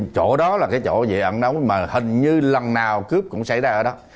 chỗ đó là cái chỗ gì ẩn nấu mà hình như lần nào cướp cũng xảy ra ở đó